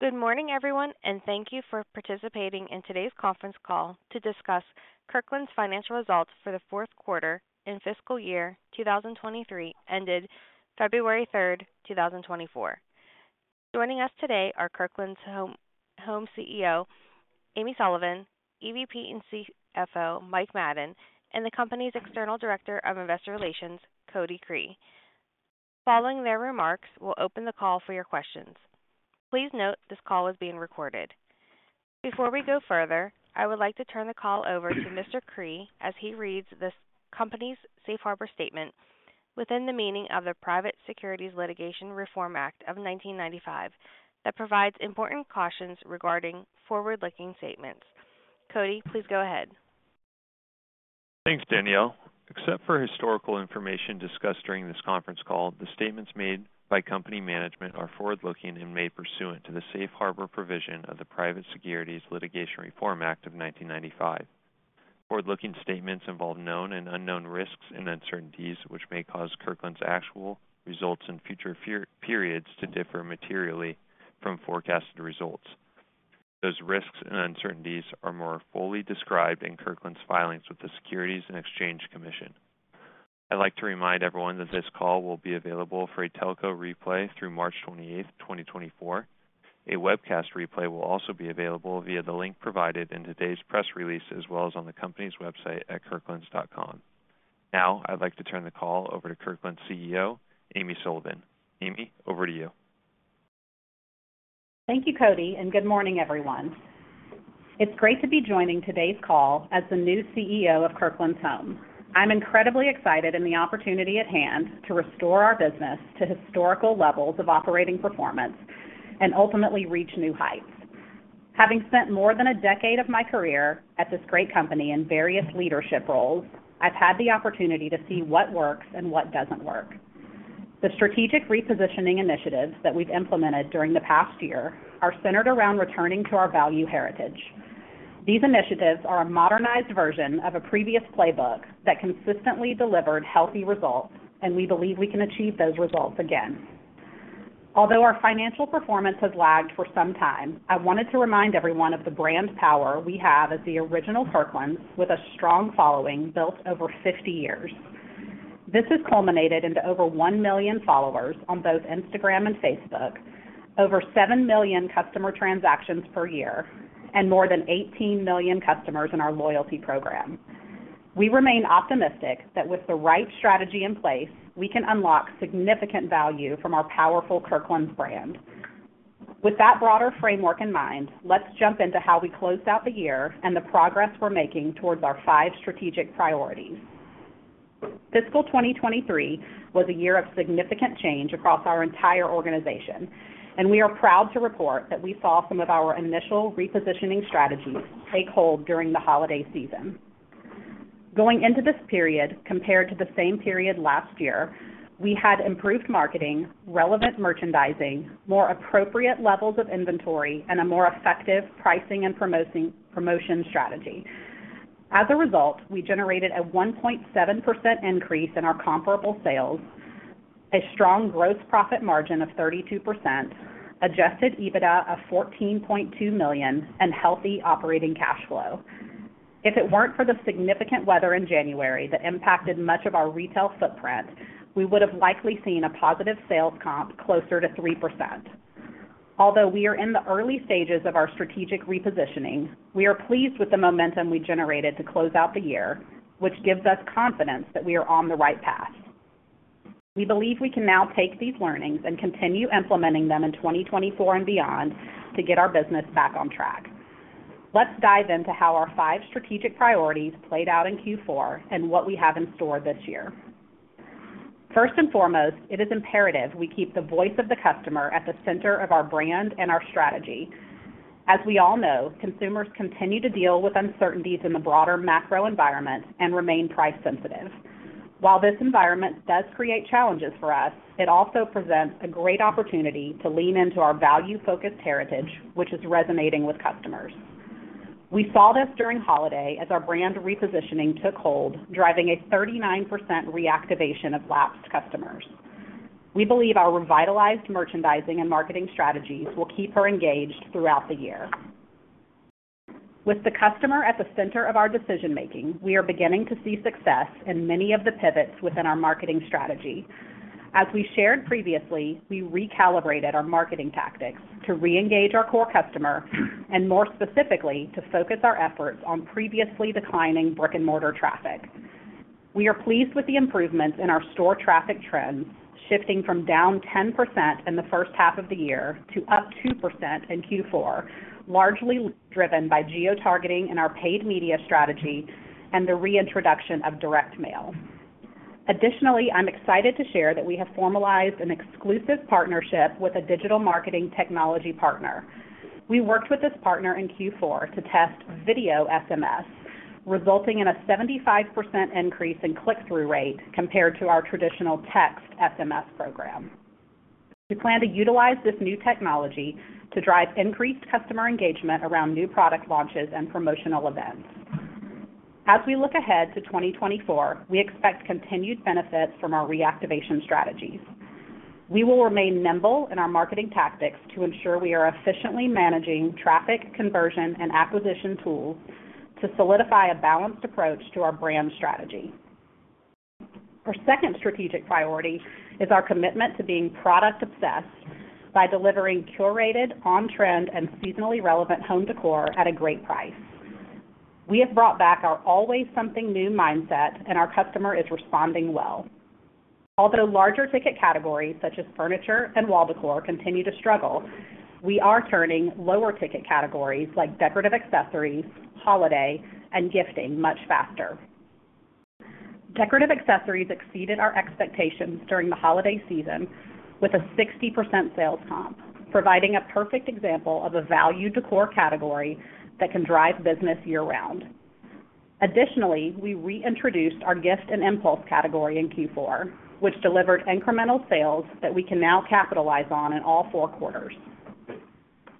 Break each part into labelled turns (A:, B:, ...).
A: Good morning, everyone, and thank you for participating in today's conference call to discuss Kirkland's financial results for the fourth quarter in fiscal year 2023, ended February 3rd, 2024. Joining us today are Kirkland's Home CEO, Amy Sullivan, EVP and CFO, Mike Madden, and the company's external Director of Investor Relations, Cody Cree. Following their remarks, we'll open the call for your questions. Please note this call is being recorded. Before we go further, I would like to turn the call over to Mr. Cree as he reads the company's Safe Harbor Statement within the meaning of the Private Securities Litigation Reform Act of 1995 that provides important cautions regarding forward-looking statements. Cody, please go ahead.
B: Thanks, Danielle. Except for historical information discussed during this conference call, the statements made by company management are forward-looking and made pursuant to the Safe Harbor provision of the Private Securities Litigation Reform Act of 1995. Forward-looking statements involve known and unknown risks and uncertainties which may cause Kirkland's actual results in future periods to differ materially from forecasted results. Those risks and uncertainties are more fully described in Kirkland's filings with the Securities and Exchange Commission. I'd like to remind everyone that this call will be available for a telco replay through March 28th, 2024. A webcast replay will also be available via the link provided in today's press release as well as on the company's website at kirklands.com. Now, I'd like to turn the call over to Kirkland's CEO, Amy Sullivan. Amy, over to you.
C: Thank you, Cody, and good morning, everyone. It's great to be joining today's call as the new CEO of Kirkland's Home. I'm incredibly excited in the opportunity at hand to restore our business to historical levels of operating performance and ultimately reach new heights. Having spent more than a decade of my career at this great company in various leadership roles, I've had the opportunity to see what works and what doesn't work. The strategic repositioning initiatives that we've implemented during the past year are centered around returning to our value heritage. These initiatives are a modernized version of a previous playbook that consistently delivered healthy results, and we believe we can achieve those results again. Although our financial performance has lagged for some time, I wanted to remind everyone of the brand power we have as the original Kirkland's with a strong following built over 50 years. This has culminated into over 1 million followers on both Instagram and Facebook, over 7 million customer transactions per year, and more than 18 million customers in our loyalty program. We remain optimistic that with the right strategy in place, we can unlock significant value from our powerful Kirkland's brand. With that broader framework in mind, let's jump into how we closed out the year and the progress we're making towards our five strategic priorities. Fiscal 2023 was a year of significant change across our entire organization, and we are proud to report that we saw some of our initial repositioning strategies take hold during the holiday season. Going into this period, compared to the same period last year, we had improved marketing, relevant merchandising, more appropriate levels of inventory, and a more effective pricing and promotion strategy. As a result, we generated a 1.7% increase in our comparable sales, a strong gross profit margin of 32%, adjusted EBITDA of $14.2 million, and healthy operating cash flow. If it weren't for the significant weather in January that impacted much of our retail footprint, we would have likely seen a positive sales comp closer to 3%. Although we are in the early stages of our strategic repositioning, we are pleased with the momentum we generated to close out the year, which gives us confidence that we are on the right path. We believe we can now take these learnings and continue implementing them in 2024 and beyond to get our business back on track. Let's dive into how our five strategic priorities played out in Q4 and what we have in store this year. First and foremost, it is imperative we keep the voice of the customer at the center of our brand and our strategy. As we all know, consumers continue to deal with uncertainties in the broader macro environment and remain price-sensitive. While this environment does create challenges for us, it also presents a great opportunity to lean into our value-focused heritage, which is resonating with customers. We saw this during holiday as our brand repositioning took hold, driving a 39% reactivation of lapsed customers. We believe our revitalized merchandising and marketing strategies will keep her engaged throughout the year. With the customer at the center of our decision-making, we are beginning to see success in many of the pivots within our marketing strategy. As we shared previously, we recalibrated our marketing tactics to reengage our core customer and, more specifically, to focus our efforts on previously declining brick & mortar traffic. We are pleased with the improvements in our store traffic trends, shifting from down 10% in the first half of the year to up 2% in Q4, largely driven by geo-targeting in our paid media strategy and the reintroduction of direct mail. Additionally, I'm excited to share that we have formalized an exclusive partnership with a digital marketing technology partner. We worked with this partner in Q4 to test video SMS, resulting in a 75% increase in click-through rate compared to our traditional text SMS program. We plan to utilize this new technology to drive increased customer engagement around new product launches and promotional events. As we look ahead to 2024, we expect continued benefits from our reactivation strategies. We will remain nimble in our marketing tactics to ensure we are efficiently managing traffic, conversion, and acquisition tools to solidify a balanced approach to our brand strategy. Our second strategic priority is our commitment to being product-obsessed by delivering curated, on-trend, and seasonally relevant home decor at a great price. We have brought back our always-something-new mindset, and our customer is responding well. Although larger ticket categories such as furniture and wall decor continue to struggle, we are turning lower ticket categories like decorative accessories, holiday, and gifting much faster. Decorative accessories exceeded our expectations during the holiday season with a 60% sales comp, providing a perfect example of a value decor category that can drive business year-round. Additionally, we reintroduced our gift and impulse category in Q4, which delivered incremental sales that we can now capitalize on in all four quarters.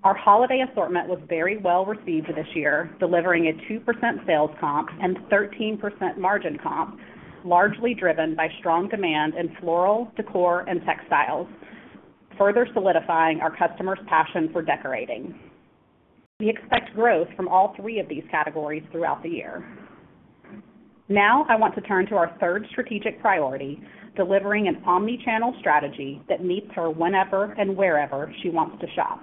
C: Our holiday assortment was very well received this year, delivering a 2% sales comp and 13% margin comp, largely driven by strong demand in floral, decor, and textiles, further solidifying our customer's passion for decorating. We expect growth from all three of these categories throughout the year. Now, I want to turn to our third strategic priority, delivering an omnichannel strategy that meets her whenever and wherever she wants to shop.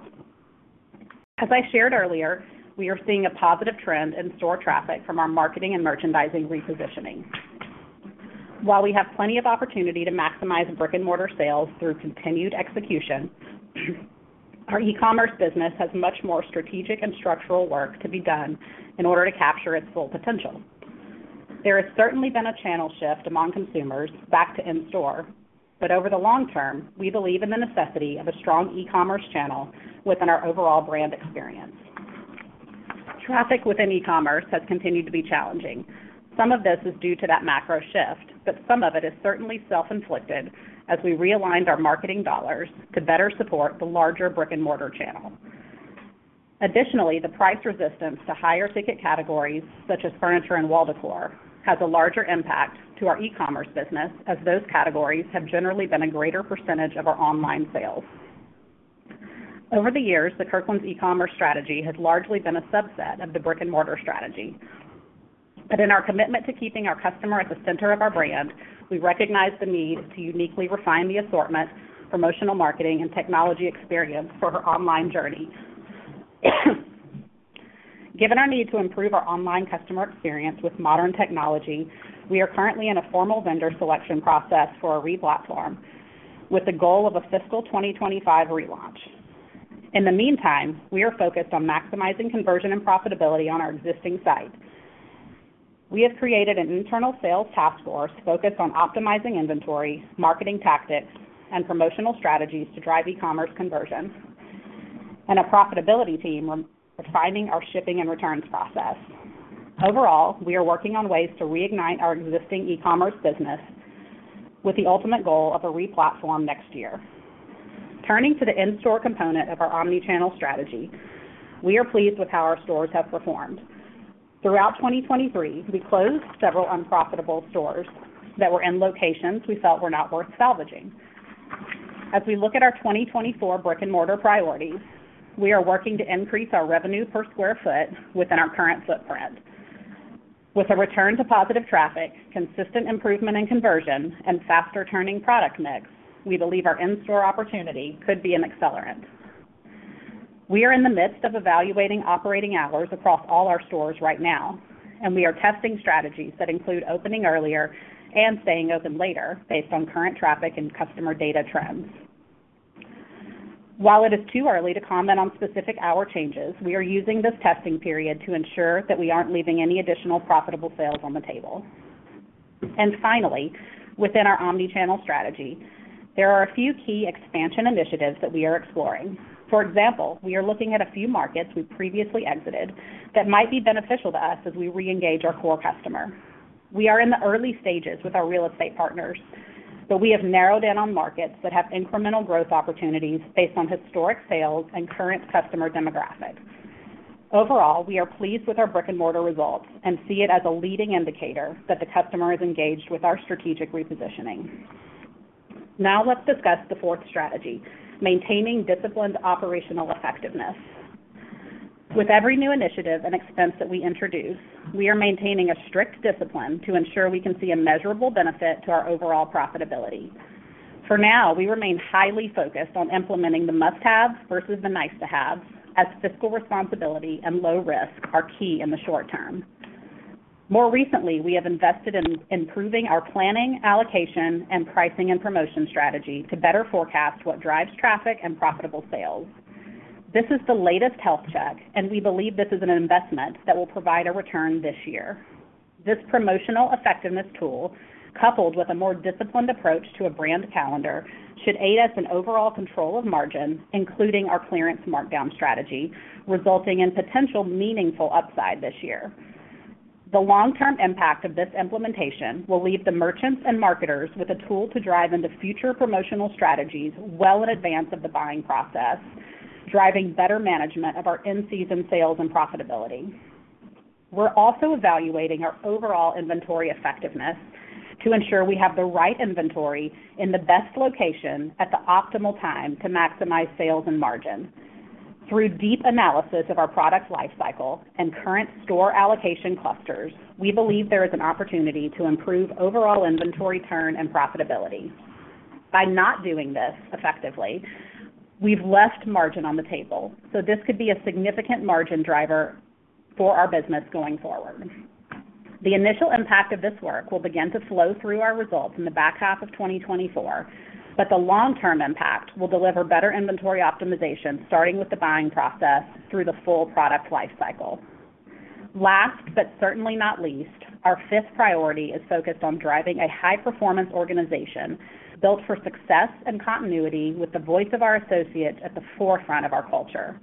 C: As I shared earlier, we are seeing a positive trend in store traffic from our marketing and merchandising repositioning. While we have plenty of opportunity to maximize brick & mortar sales through continued execution, our e-commerce business has much more strategic and structural work to be done in order to capture its full potential. There has certainly been a channel shift among consumers back to in-store, but over the long term, we believe in the necessity of a strong e-commerce channel within our overall brand experience. Traffic within e-commerce has continued to be challenging. Some of this is due to that macro shift, but some of it is certainly self-inflicted as we realigned our marketing dollars to better support the larger brick & mortar channel. Additionally, the price resistance to higher ticket categories such as furniture and wall decor has a larger impact to our e-commerce business as those categories have generally been a greater percentage of our online sales. Over the years, the Kirkland's e-commerce strategy has largely been a subset of the brick & mortar strategy. But in our commitment to keeping our customer at the center of our brand, we recognize the need to uniquely refine the assortment, promotional marketing, and technology experience for her online journey. Given our need to improve our online customer experience with modern technology, we are currently in a formal vendor selection process for a re-platform with the goal of a fiscal 2025 relaunch. In the meantime, we are focused on maximizing conversion and profitability on our existing site. We have created an internal sales task force focused on optimizing inventory, marketing tactics, and promotional strategies to drive e-commerce conversion, and a profitability team refining our shipping and returns process. Overall, we are working on ways to reignite our existing e-commerce business with the ultimate goal of a re-platform next year. Turning to the in-store component of our omnichannel strategy, we are pleased with how our stores have performed. Throughout 2023, we closed several unprofitable stores that were in locations we felt were not worth salvaging. As we look at our 2024 brick & mortar priorities, we are working to increase our revenue per square foot within our current footprint. With a return to positive traffic, consistent improvement in conversion, and faster-turning product mix, we believe our in-store opportunity could be an accelerant. We are in the midst of evaluating operating hours across all our stores right now, and we are testing strategies that include opening earlier and staying open later based on current traffic and customer data trends. While it is too early to comment on specific hour changes, we are using this testing period to ensure that we aren't leaving any additional profitable sales on the table. And finally, within our omnichannel strategy, there are a few key expansion initiatives that we are exploring. For example, we are looking at a few markets we previously exited that might be beneficial to us as we reengage our core customer. We are in the early stages with our real estate partners, but we have narrowed in on markets that have incremental growth opportunities based on historic sales and current customer demographics. Overall, we are pleased with our brick & mortar results and see it as a leading indicator that the customer is engaged with our strategic repositioning. Now, let's discuss the fourth strategy, maintaining disciplined operational effectiveness. With every new initiative and expense that we introduce, we are maintaining a strict discipline to ensure we can see a measurable benefit to our overall profitability. For now, we remain highly focused on implementing the must-haves versus the nice-to-haves as fiscal responsibility and low risk are key in the short term. More recently, we have invested in improving our planning, allocation, and pricing and promotion strategy to better forecast what drives traffic and profitable sales. This is the latest health check, and we believe this is an investment that will provide a return this year. This promotional effectiveness tool, coupled with a more disciplined approach to a brand calendar, should aid us in overall control of margin, including our clearance markdown strategy, resulting in potential meaningful upside this year. The long-term impact of this implementation will leave the merchants and marketers with a tool to drive into future promotional strategies well in advance of the buying process, driving better management of our in-season sales and profitability. We're also evaluating our overall inventory effectiveness to ensure we have the right inventory in the best location at the optimal time to maximize sales and margin. Through deep analysis of our product lifecycle and current store allocation clusters, we believe there is an opportunity to improve overall inventory turn and profitability. By not doing this effectively, we've left margin on the table, so this could be a significant margin driver for our business going forward. The initial impact of this work will begin to flow through our results in the back half of 2024, but the long-term impact will deliver better inventory optimization starting with the buying process through the full product lifecycle. Last but certainly not least, our fifth priority is focused on driving a high-performance organization built for success and continuity with the voice of our associates at the forefront of our culture.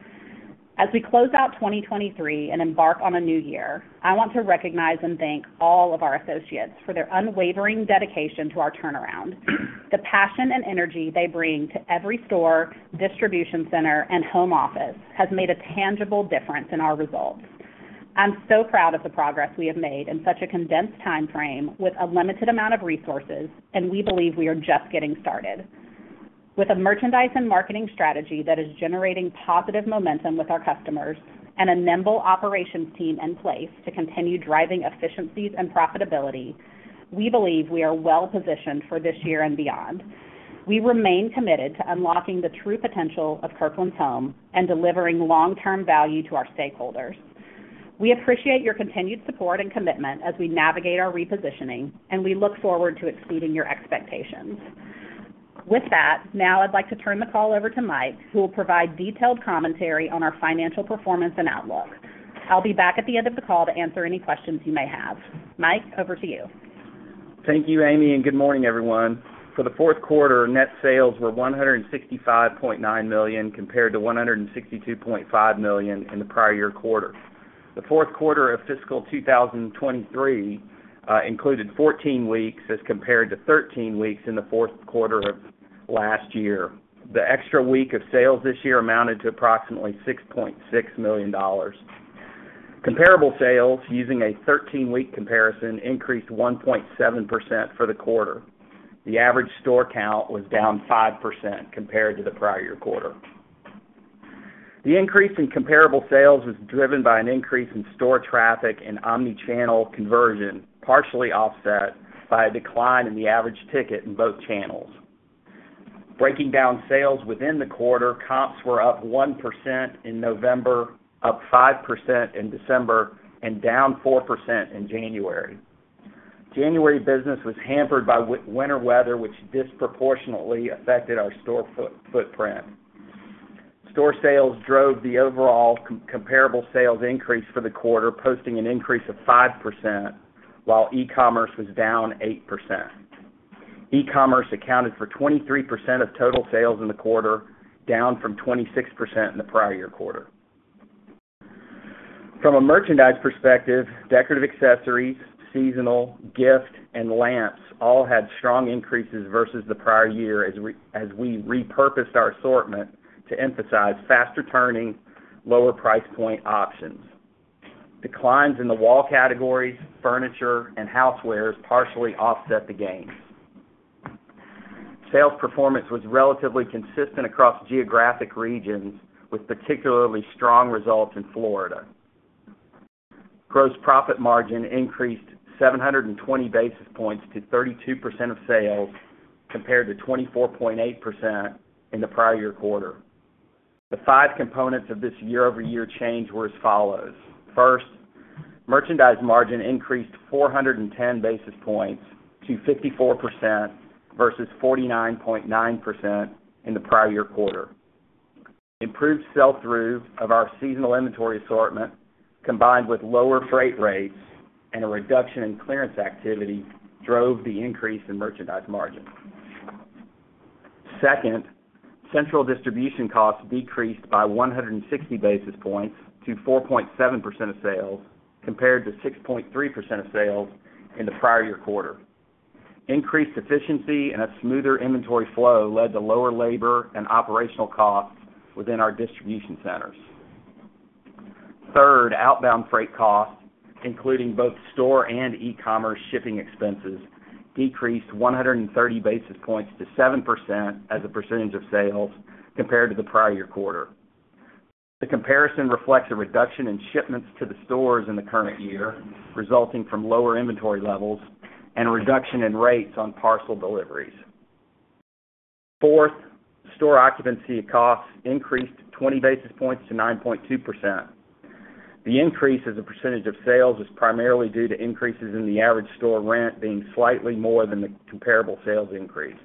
C: As we close out 2023 and embark on a new year, I want to recognize and thank all of our associates for their unwavering dedication to our turnaround. The passion and energy they bring to every store, distribution center, and home office has made a tangible difference in our results. I'm so proud of the progress we have made in such a condensed time frame with a limited amount of resources, and we believe we are just getting started. With a merchandise and marketing strategy that is generating positive momentum with our customers and a nimble operations team in place to continue driving efficiencies and profitability, we believe we are well-positioned for this year and beyond. We remain committed to unlocking the true potential of Kirkland's Home and delivering long-term value to our stakeholders. We appreciate your continued support and commitment as we navigate our repositioning, and we look forward to exceeding your expectations. With that, now I'd like to turn the call over to Mike, who will provide detailed commentary on our financial performance and outlook. I'll be back at the end of the call to answer any questions you may have. Mike, over to you.
D: Thank you, Amy, and good morning, everyone. For the fourth quarter, net sales were $165.9 million compared to $162.5 million in the prior year quarter. The fourth quarter of fiscal 2023 included 14 weeks as compared to 13 weeks in the fourth quarter of last year. The extra week of sales this year amounted to approximately $6.6 million. Comparable sales, using a 13-week comparison, increased 1.7% for the quarter. The average store count was down 5% compared to the prior year quarter. The increase in comparable sales was driven by an increase in store traffic and omnichannel conversion, partially offset by a decline in the average ticket in both channels. Breaking down sales within the quarter, comps were up 1% in November, up 5% in December, and down 4% in January. January business was hampered by winter weather, which disproportionately affected our store footprint. Store sales drove the overall comparable sales increase for the quarter, posting an increase of 5%, while e-commerce was down 8%. E-commerce accounted for 23% of total sales in the quarter, down from 26% in the prior year quarter. From a merchandise perspective, decorative accessories, seasonal, gift, and lamps all had strong increases versus the prior year as we repurposed our assortment to emphasize faster-turning, lower-price point options. Declines in the wall categories, furniture, and housewares partially offset the gains. Sales performance was relatively consistent across geographic regions, with particularly strong results in Florida. Gross profit margin increased 720 basis points to 32% of sales compared to 24.8% in the prior year quarter. The five components of this year-over-year change were as follows. First, merchandise margin increased 410 basis points to 54% versus 49.9% in the prior year quarter. Improved sell-through of our seasonal inventory assortment, combined with lower freight rates and a reduction in clearance activity, drove the increase in merchandise margin. Second, central distribution costs decreased by 160 basis points to 4.7% of sales compared to 6.3% of sales in the prior year quarter. Increased efficiency and a smoother inventory flow led to lower labor and operational costs within our distribution centers. Third, outbound freight costs, including both store and e-commerce shipping expenses, decreased 130 basis points to 7% as a percentage of sales compared to the prior year quarter. The comparison reflects a reduction in shipments to the stores in the current year, resulting from lower inventory levels and a reduction in rates on parcel deliveries. Fourth, store occupancy costs increased 20 basis points to 9.2%. The increase as a percentage of sales is primarily due to increases in the average store rent being slightly more than the comparable sales increased.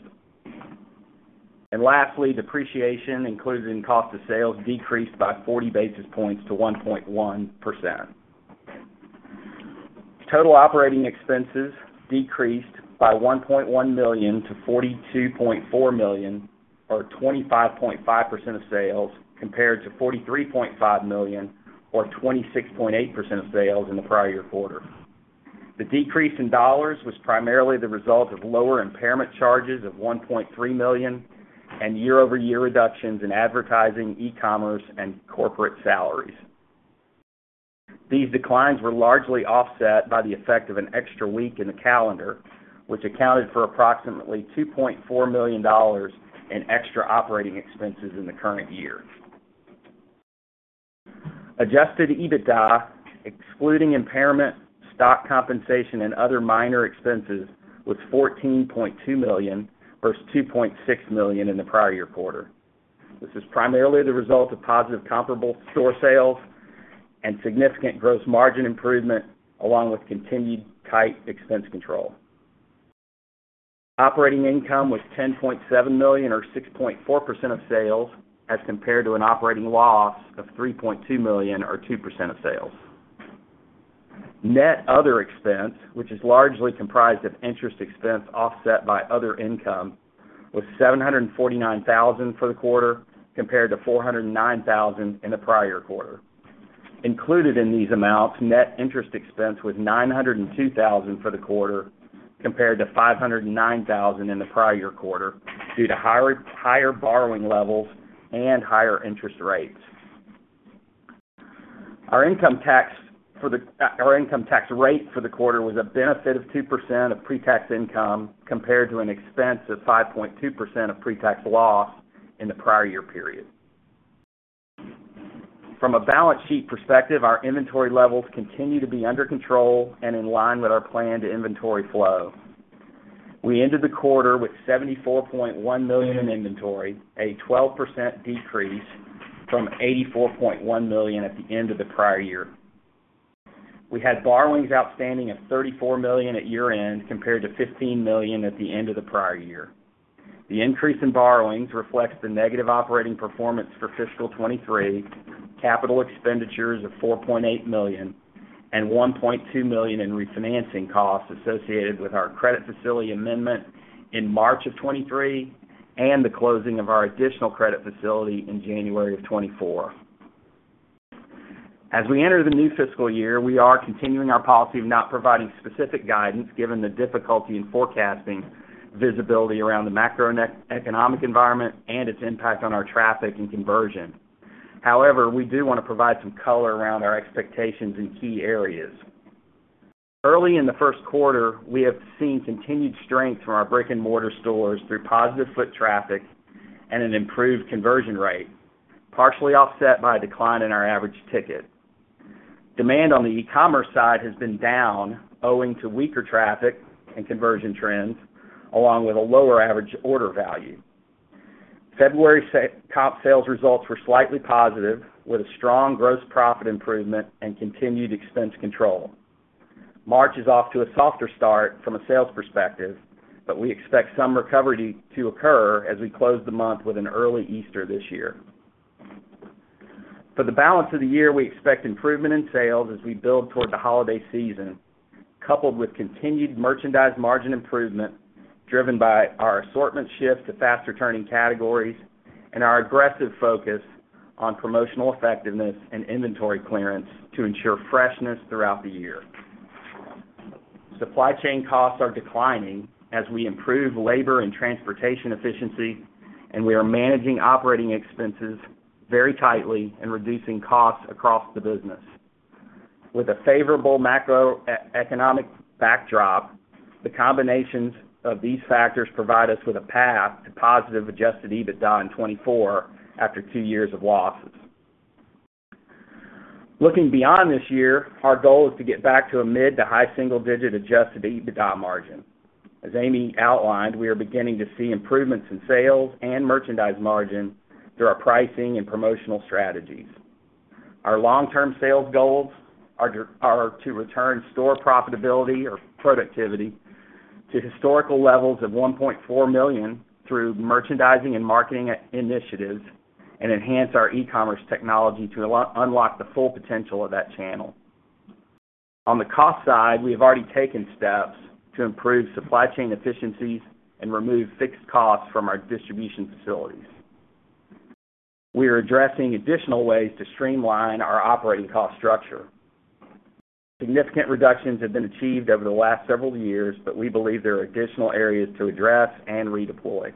D: And lastly, depreciation, including cost of sales, decreased by 40 basis points to 1.1%. Total operating expenses decreased by $1.1 million to $42.4 million, or 25.5% of sales, compared to $43.5 million, or 26.8% of sales in the prior year quarter. The decrease in dollars was primarily the result of lower impairment charges of $1.3 million and year-over-year reductions in advertising, e-commerce, and corporate salaries. These declines were largely offset by the effect of an extra week in the calendar, which accounted for approximately $2.4 million in extra operating expenses in the current year. Adjusted EBITDA, excluding impairment, stock compensation, and other minor expenses, was $14.2 million versus $2.6 million in the prior year quarter. This is primarily the result of positive comparable store sales and significant gross margin improvement, along with continued tight expense control. Operating income was $10.7 million, or 6.4% of sales, as compared to an operating loss of $3.2 million, or 2% of sales. Net other expense, which is largely comprised of interest expense offset by other income, was $749,000 for the quarter compared to $409,000 in the prior year quarter. Included in these amounts, net interest expense was $902,000 for the quarter compared to $509,000 in the prior year quarter due to higher borrowing levels and higher interest rates. Our income tax rate for the quarter was a benefit of 2% of pre-tax income compared to an expense of 5.2% of pre-tax loss in the prior year period. From a balance sheet perspective, our inventory levels continue to be under control and in line with our planned inventory flow. We ended the quarter with $74.1 million in inventory, a 12% decrease from $84.1 million at the end of the prior year. We had borrowings outstanding of $34 million at year-end compared to $15 million at the end of the prior year. The increase in borrowings reflects the negative operating performance for fiscal 2023, capital expenditures of $4.8 million, and $1.2 million in refinancing costs associated with our credit facility amendment in March of 2023 and the closing of our additional credit facility in January of 2024. As we enter the new fiscal year, we are continuing our policy of not providing specific guidance given the difficulty in forecasting visibility around the macroeconomic environment and its impact on our traffic and conversion. However, we do want to provide some color around our expectations in key areas. Early in the first quarter, we have seen continued strength from our brick & mortar stores through positive foot traffic and an improved conversion rate, partially offset by a decline in our average ticket. Demand on the e-commerce side has been down owing to weaker traffic and conversion trends, along with a lower average order value. February comp sales results were slightly positive, with a strong gross profit improvement and continued expense control. March is off to a softer start from a sales perspective, but we expect some recovery to occur as we close the month with an early Easter this year. For the balance of the year, we expect improvement in sales as we build toward the holiday season, coupled with continued merchandise margin improvement driven by our assortment shift to faster-turning categories and our aggressive focus on promotional effectiveness and inventory clearance to ensure freshness throughout the year. Supply chain costs are declining as we improve labor and transportation efficiency, and we are managing operating expenses very tightly and reducing costs across the business. With a favorable macroeconomic backdrop, the combinations of these factors provide us with a path to positive Adjusted EBITDA in 2024 after two years of losses. Looking beyond this year, our goal is to get back to a mid- to high-single-digit Adjusted EBITDA margin. As Amy outlined, we are beginning to see improvements in sales and merchandise margin through our pricing and promotional strategies. Our long-term sales goals are to return store profitability or productivity to historical levels of $1.4 million through merchandising and marketing initiatives and enhance our e-commerce technology to unlock the full potential of that channel. On the cost side, we have already taken steps to improve supply chain efficiencies and remove fixed costs from our distribution facilities. We are addressing additional ways to streamline our operating cost structure. Significant reductions have been achieved over the last several years, but we believe there are additional areas to address and redeploy.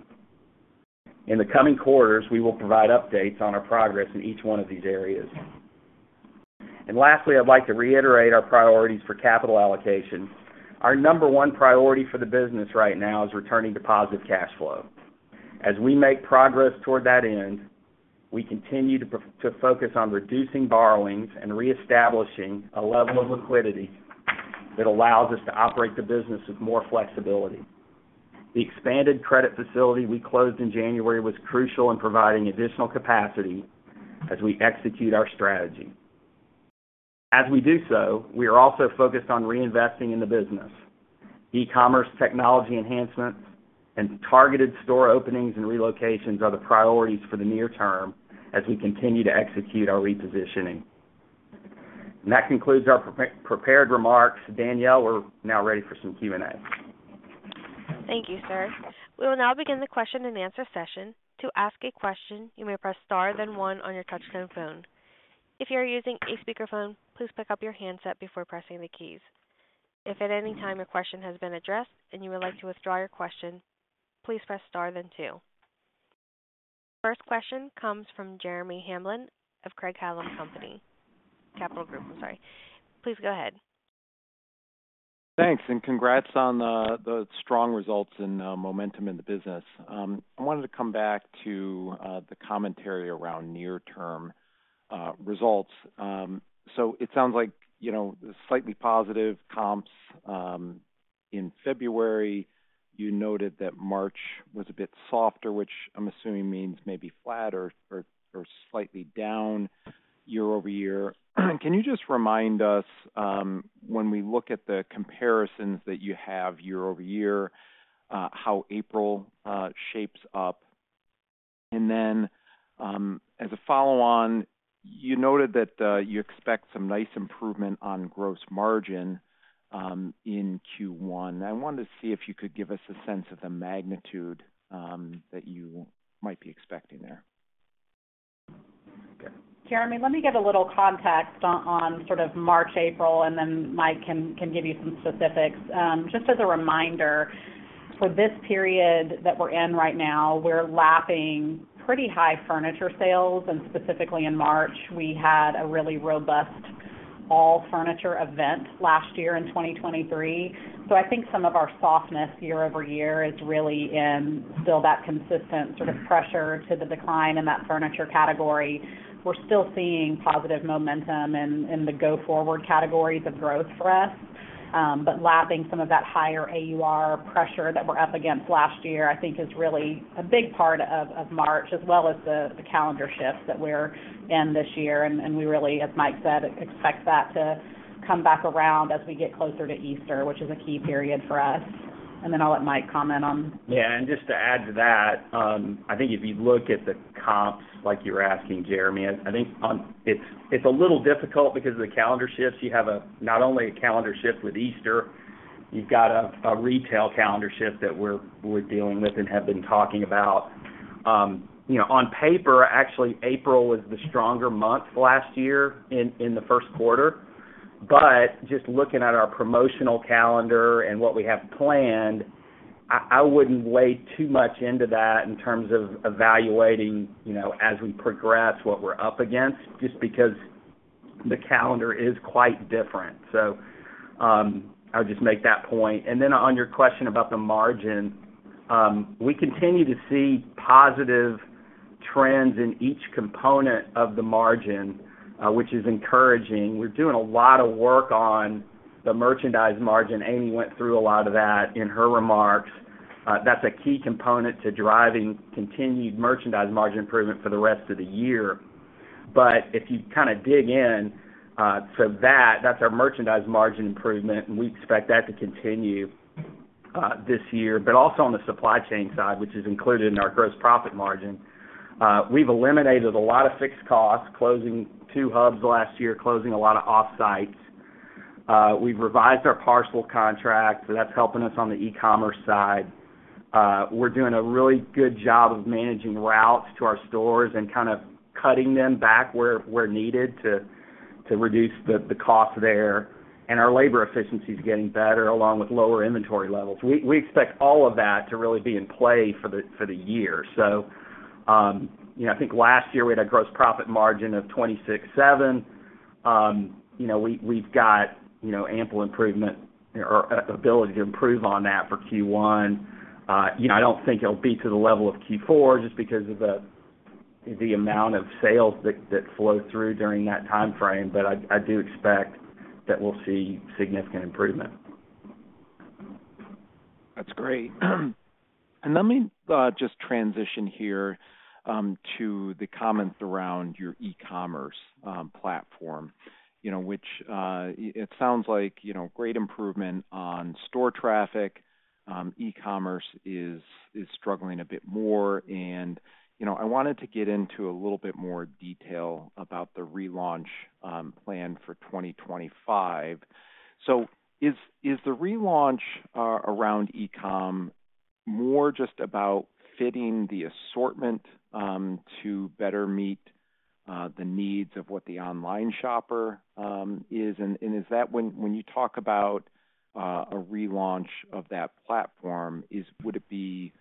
D: In the coming quarters, we will provide updates on our progress in each one of these areas. Lastly, I'd like to reiterate our priorities for capital allocation. Our number one priority for the business right now is returning to positive cash flow. As we make progress toward that end, we continue to focus on reducing borrowings and reestablishing a level of liquidity that allows us to operate the business with more flexibility. The expanded credit facility we closed in January was crucial in providing additional capacity as we execute our strategy. As we do so, we are also focused on reinvesting in the business. E-commerce technology enhancements and targeted store openings and relocations are the priorities for the near term as we continue to execute our repositioning. That concludes our prepared remarks. Danielle, we're now ready for some Q&A.
A: Thank you, sir. We will now begin the question and answer session. To ask a question, you may press star then one on your touch-tone phone. If you are using a speakerphone, please pick up your handset before pressing the keys. If at any time your question has been addressed and you would like to withdraw your question, please press star then two. First question comes from Jeremy Hamblin of Craig-Hallum Capital Group. I'm sorry. Please go ahead.
E: Thanks, and congrats on the strong results and momentum in the business. I wanted to come back to the commentary around near-term results. So it sounds like slightly positive comps. In February, you noted that March was a bit softer, which I'm assuming means maybe flat or slightly down year-over-year. Can you just remind us, when we look at the comparisons that you have year-over-year, how April shapes up? And then as a follow-on, you noted that you expect some nice improvement on gross margin in Q1. I wanted to see if you could give us a sense of the magnitude that you might be expecting there.
C: Jeremy, let me give a little context on sort of March, April, and then Mike can give you some specifics. Just as a reminder, for this period that we're in right now, we're lapping pretty high furniture sales. And specifically in March, we had a really robust all-furniture event last year in 2023. So I think some of our softness year-over-year is really in still that consistent sort of pressure to the decline in that furniture category. We're still seeing positive momentum in the go-forward categories of growth for us. But lapping some of that higher AUR pressure that we're up against last year, I think, is really a big part of March, as well as the calendar shift that we're in this year. And we really, as Mike said, expect that to come back around as we get closer to Easter, which is a key period for us. And then I'll let Mike comment on.
D: Yeah. And just to add to that, I think if you look at the comps, like you were asking, Jeremy, I think it's a little difficult because of the calendar shifts. You have not only a calendar shift with Easter, you've got a retail calendar shift that we're dealing with and have been talking about. On paper, actually, April was the stronger month last year in the first quarter. But just looking at our promotional calendar and what we have planned, I wouldn't weigh too much into that in terms of evaluating, as we progress, what we're up against, just because the calendar is quite different. So I would just make that point. And then on your question about the margin, we continue to see positive trends in each component of the margin, which is encouraging. We're doing a lot of work on the merchandise margin. Amy went through a lot of that in her remarks. That's a key component to driving continued merchandise margin improvement for the rest of the year. But if you kind of dig in, so that's our merchandise margin improvement, and we expect that to continue this year. But also on the supply chain side, which is included in our gross profit margin, we've eliminated a lot of fixed costs, closing two hubs last year, closing a lot of off-sites. We've revised our parcel contract, so that's helping us on the e-commerce side. We're doing a really good job of managing routes to our stores and kind of cutting them back where needed to reduce the cost there. And our labor efficiency is getting better, along with lower inventory levels. We expect all of that to really be in play for the year. So I think last year we had a gross profit margin of 26.7%. We've got ample improvement or ability to improve on that for Q1. I don't think it'll be to the level of Q4 just because of the amount of sales that flow through during that timeframe. But I do expect that we'll see significant improvement.
E: That's great. Let me just transition here to the comments around your e-commerce platform, which it sounds like great improvement on store traffic. E-commerce is struggling a bit more. I wanted to get into a little bit more detail about the relaunch plan for 2025. Is the relaunch around e-com more just about fitting the assortment to better meet the needs of what the online shopper is? When you talk about a relaunch of that platform, would it be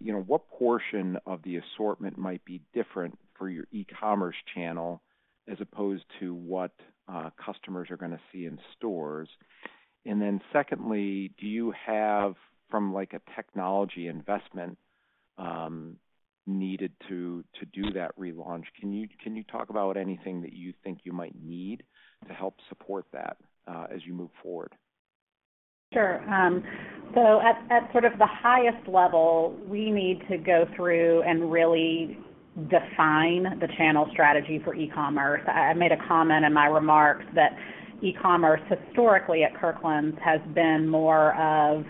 E: what portion of the assortment might be different for your e-commerce channel as opposed to what customers are going to see in stores? Then secondly, do you have, from a technology investment, needed to do that relaunch? Can you talk about anything that you think you might need to help support that as you move forward?
C: Sure. So at sort of the highest level, we need to go through and really define the channel strategy for e-commerce. I made a comment in my remarks that e-commerce, historically at Kirkland's, has been more of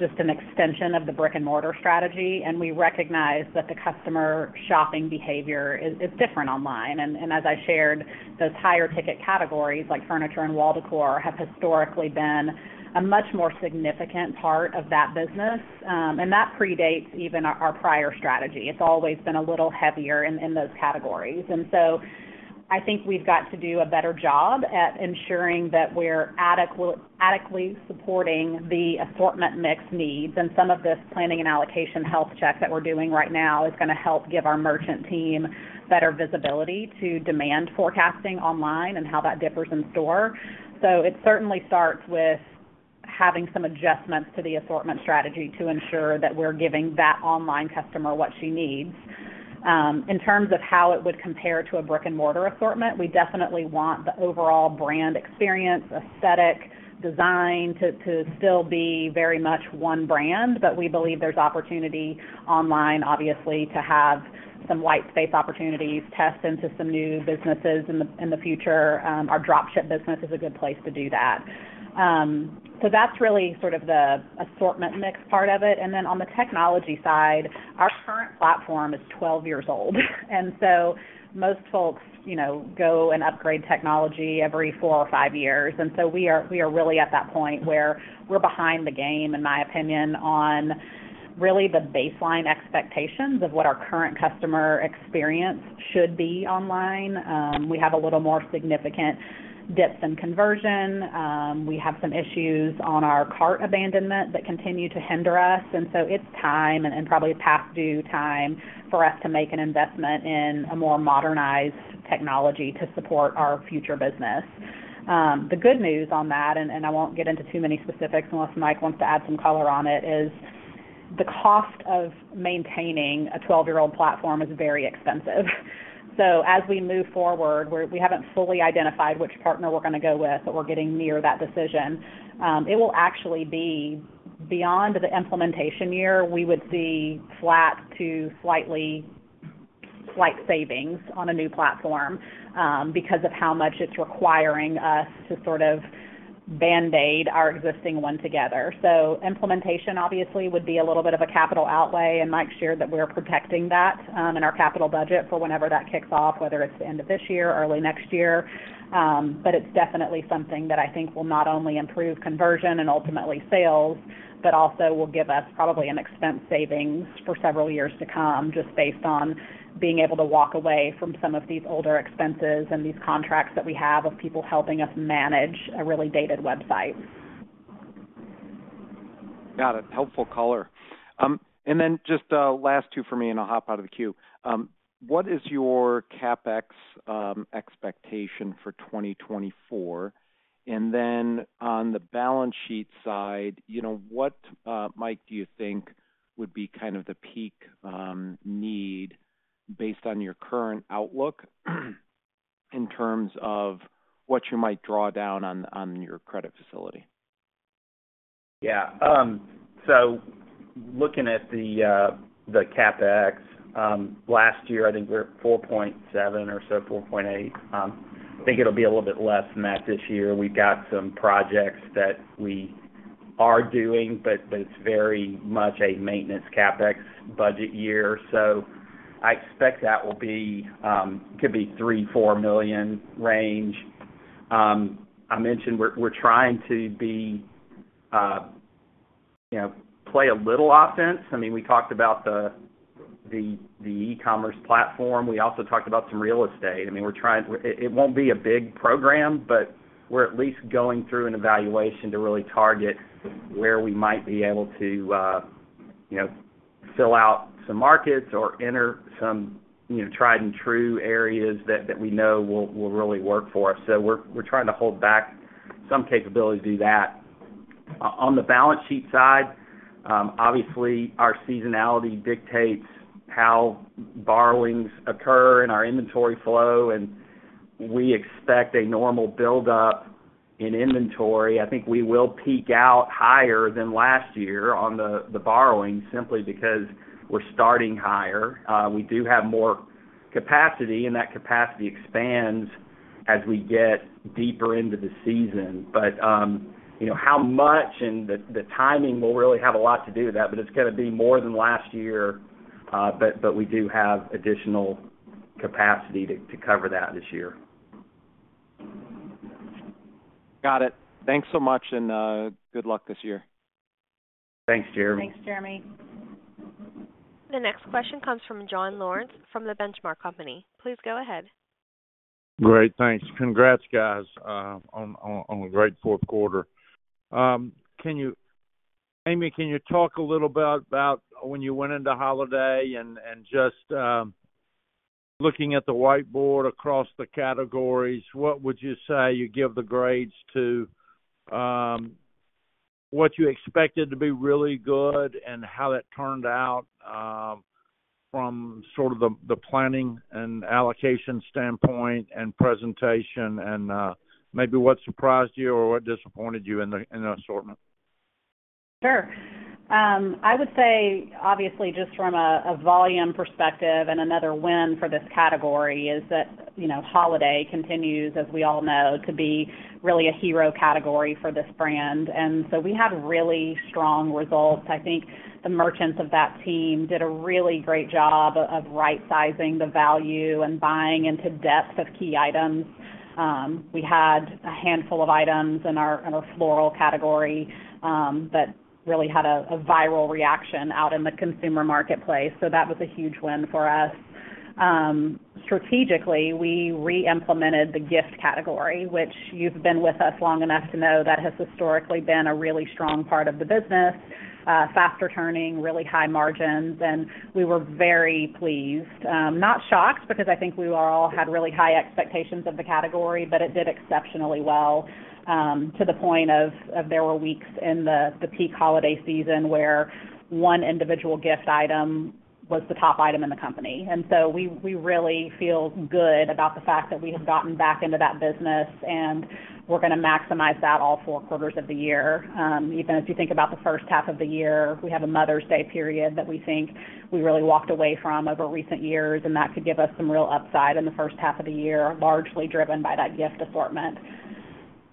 C: just an extension of the brick & mortar strategy. And we recognize that the customer shopping behavior is different online. And as I shared, those higher-ticket categories like furniture and wall decor have historically been a much more significant part of that business. And that predates even our prior strategy. It's always been a little heavier in those categories. And so I think we've got to do a better job at ensuring that we're adequately supporting the assortment mix needs. And some of this planning and allocation health check that we're doing right now is going to help give our merchant team better visibility to demand forecasting online and how that differs in store. So it certainly starts with having some adjustments to the assortment strategy to ensure that we're giving that online customer what she needs. In terms of how it would compare to a brick & mortar assortment, we definitely want the overall brand experience, aesthetic, design to still be very much one brand. But we believe there's opportunity online, obviously, to have some white space opportunities, test into some new businesses in the future. Our dropship business is a good place to do that. So that's really sort of the assortment mix part of it. And then on the technology side, our current platform is 12 years old. And so most folks go and upgrade technology every four or five years. And so we are really at that point where we're behind the game, in my opinion, on really the baseline expectations of what our current customer experience should be online. We have a little more significant dips in conversion. We have some issues on our cart abandonment that continue to hinder us. And so it's time and probably past-due time for us to make an investment in a more modernized technology to support our future business. The good news on that, and I won't get into too many specifics unless Mike wants to add some color on it, is the cost of maintaining a 12-year-old platform is very expensive. So as we move forward, we haven't fully identified which partner we're going to go with, but we're getting near that decision. It will actually be beyond the implementation year, we would see flat to slight savings on a new platform because of how much it's requiring us to sort of band-aid our existing one together. So implementation, obviously, would be a little bit of a capital outlay. Mike shared that we're protecting that in our capital budget for whenever that kicks off, whether it's the end of this year, early next year. It's definitely something that I think will not only improve conversion and ultimately sales, but also will give us probably an expense savings for several years to come just based on being able to walk away from some of these older expenses and these contracts that we have of people helping us manage a really dated website.
E: Got it. Helpful color. And then just last two for me, and I'll hop out of the queue. What is your CapEx expectation for 2024? And then on the balance sheet side, what, Mike, do you think would be kind of the peak need based on your current outlook in terms of what you might draw down on your credit facility?
D: Yeah. So looking at the CapEx, last year, I think we're $4.7 or so, $4.8. I think it'll be a little bit less than that this year. We've got some projects that we are doing, but it's very much a maintenance CapEx budget year. So I expect that will be it could be $3 million-$4 million range. I mentioned we're trying to play a little offense. I mean, we talked about the e-commerce platform. We also talked about some real estate. I mean, it won't be a big program, but we're at least going through an evaluation to really target where we might be able to fill out some markets or enter some tried-and-true areas that we know will really work for us. So we're trying to hold back some capability to do that. On the balance sheet side, obviously, our seasonality dictates how borrowings occur in our inventory flow. We expect a normal buildup in inventory. I think we will peak out higher than last year on the borrowing simply because we're starting higher. We do have more capacity, and that capacity expands as we get deeper into the season. But how much and the timing will really have a lot to do with that, but it's going to be more than last year. But we do have additional capacity to cover that this year.
E: Got it. Thanks so much, and good luck this year.
D: Thanks, Jeremy.
C: Thanks, Jeremy.
A: The next question comes from John Lawrence from The Benchmark Company. Please go ahead.
F: Great. Thanks. Congrats, guys, on a great fourth quarter. Amy, can you talk a little about when you went into holiday and just looking at the whiteboard across the categories, what would you say you give the grades to what you expected to be really good and how that turned out from sort of the planning and allocation standpoint and presentation? And maybe what surprised you or what disappointed you in the assortment?
C: Sure. I would say, obviously, just from a volume perspective, and another win for this category is that holiday continues, as we all know, to be really a hero category for this brand. And so we had really strong results. I think the merchants of that team did a really great job of right-sizing the value and buying into depth of key items. We had a handful of items in our floral category that really had a viral reaction out in the consumer marketplace. So that was a huge win for us. Strategically, we re-implemented the gift category, which you've been with us long enough to know that has historically been a really strong part of the business, faster turning, really high margins. We were very pleased, not shocked because I think we all had really high expectations of the category, but it did exceptionally well to the point of there were weeks in the peak holiday season where one individual gift item was the top item in the company. So we really feel good about the fact that we have gotten back into that business, and we're going to maximize that all four quarters of the year. Even as you think about the first half of the year, we have a Mother's Day period that we think we really walked away from over recent years, and that could give us some real upside in the first half of the year, largely driven by that gift assortment.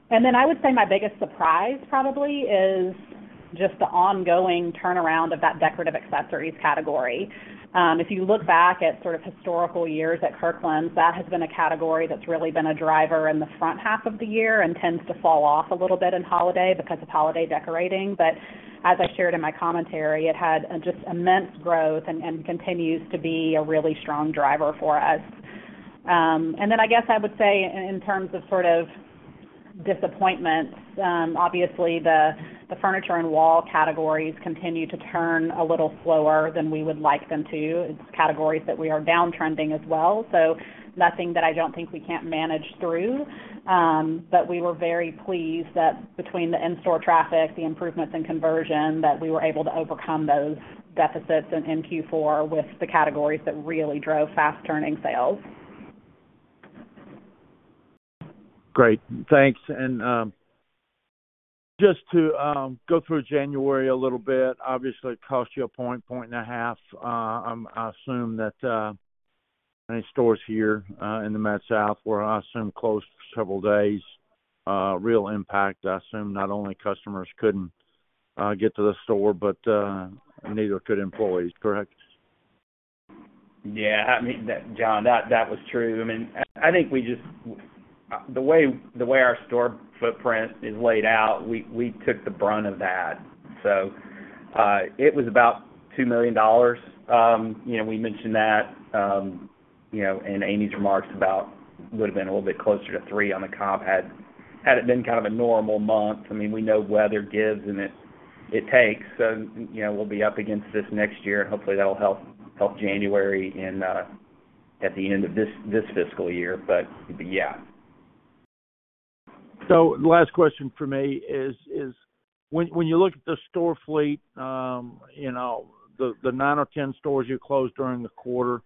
C: Then I would say my biggest surprise, probably, is just the ongoing turnaround of that decorative accessories category. If you look back at sort of historical years at Kirkland's, that has been a category that's really been a driver in the front half of the year and tends to fall off a little bit in holiday because of holiday decorating. But as I shared in my commentary, it had just immense growth and continues to be a really strong driver for us. And then I guess I would say in terms of sort of disappointments, obviously, the furniture and wall categories continue to turn a little slower than we would like them to. It's categories that we are downtrending as well, so nothing that I don't think we can't manage through. But we were very pleased that between the in-store traffic, the improvements in conversion, that we were able to overcome those deficits in Q4 with the categories that really drove fast-turning sales.
F: Great. Thanks. Just to go through January a little bit, obviously, it cost you a point, point and a half. I assume that many stores here in the Mid-South were, I assume, closed for several days. Real impact, I assume, not only customers couldn't get to the store, but neither could employees. Correct?
D: Yeah. I mean, John, that was true. I mean, I think we just the way our store footprint is laid out, we took the brunt of that. So it was about $2 million. We mentioned that in Amy's remarks about it would have been a little bit closer to $3 million on the comp. Had it been kind of a normal month, I mean, we know weather gives and it takes. So we'll be up against this next year, and hopefully, that'll help January at the end of this fiscal year. But yeah.
F: So the last question for me is, when you look at the store fleet, the nine or 10 stores you closed during the quarter,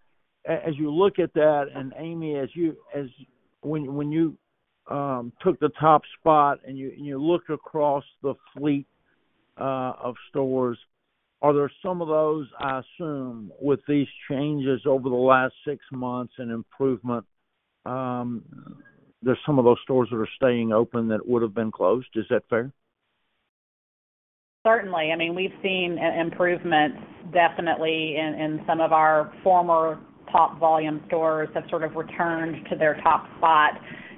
F: as you look at that and Amy, when you took the top spot and you looked across the fleet of stores, are there some of those, I assume, with these changes over the last six months and improvement, there's some of those stores that are staying open that would have been closed? Is that fair?
C: Certainly. I mean, we've seen improvements, definitely, in some of our former top volume stores have sort of returned to their top spot.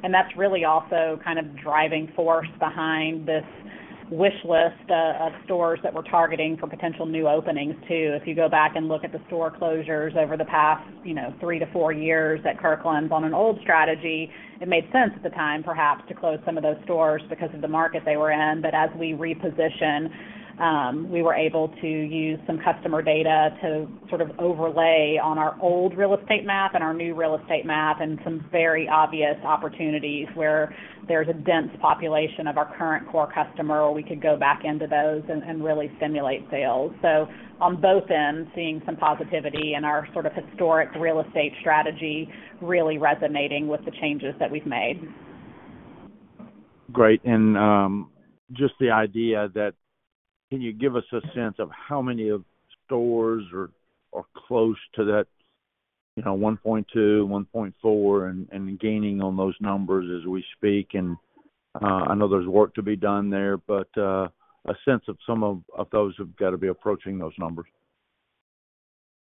C: And that's really also kind of driving force behind this wish list of stores that we're targeting for potential new openings too. If you go back and look at the store closures over the past three to four years at Kirkland's on an old strategy, it made sense at the time, perhaps, to close some of those stores because of the market they were in. But as we reposition, we were able to use some customer data to sort of overlay on our old real estate map and our new real estate map and some very obvious opportunities where there's a dense population of our current core customer, or we could go back into those and really stimulate sales. On both ends, seeing some positivity and our sort of historic real estate strategy really resonating with the changes that we've made.
F: Great. And just the idea that can you give us a sense of how many stores are close to that 1.2, 1.4, and gaining on those numbers as we speak? And I know there's work to be done there, but a sense of some of those have got to be approaching those numbers.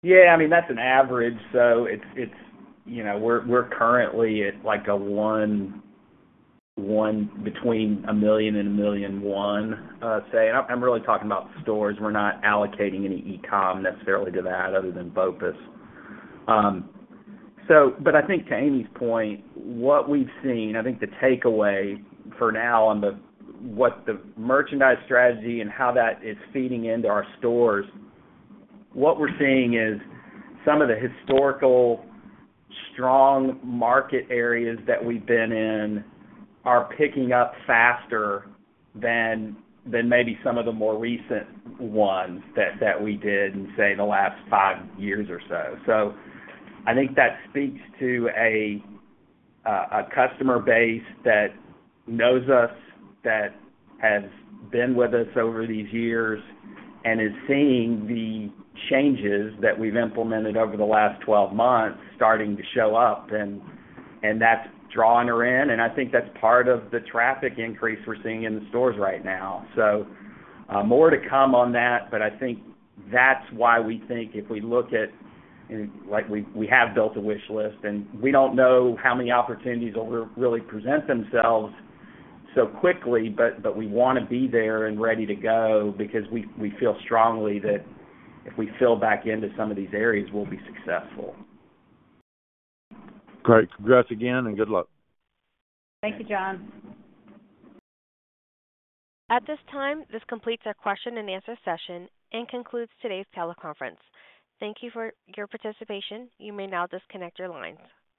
D: Yeah. I mean, that's an average. So we're currently at $1 million-$1.1 million, say. And I'm really talking about stores. We're not allocating any e-com necessarily to that other than BOPUS. But I think to Amy's point, what we've seen, I think the takeaway for now on what the merchandise strategy and how that is feeding into our stores, what we're seeing is some of the historical strong market areas that we've been in are picking up faster than maybe some of the more recent ones that we did in, say, the last five years or so. So I think that speaks to a customer base that knows us, that has been with us over these years, and is seeing the changes that we've implemented over the last 12 months starting to show up. And that's drawing her in. I think that's part of the traffic increase we're seeing in the stores right now. More to come on that, but I think that's why we think if we look at we have built a wish list, and we don't know how many opportunities will really present themselves so quickly, but we want to be there and ready to go because we feel strongly that if we fill back into some of these areas, we'll be successful.
F: Great. Congrats again, and good luck.
C: Thank you, John.
A: At this time, this completes our question-and-answer session and concludes today's teleconference. Thank you for your participation. You may now disconnect your lines.